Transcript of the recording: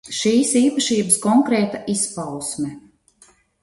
Šīs īpašības konkrēta izpausme.